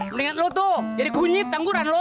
mendingan lo tuh jadi kunyit tangguran lo